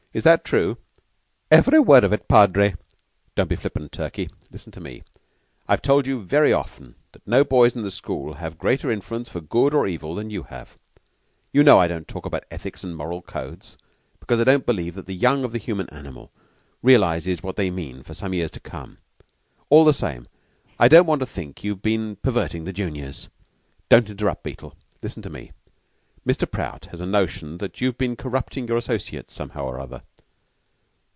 Is that true?" "Every word of it, Padre." "Don't be flippant, Turkey. Listen to me. I've told you very often that no boys in the school have a greater influence for good or evil than you have. You know I don't talk about ethics and moral codes, because I don't believe that the young of the human animal realizes what they mean for some years to come. All the same, I don't want to think you've been perverting the juniors. Don't interrupt, Beetle. Listen to me. Mr. Prout has a notion that you have been corrupting your associates somehow or other."